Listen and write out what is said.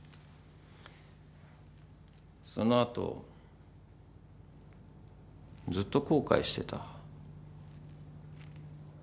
その後ずっと後悔してた。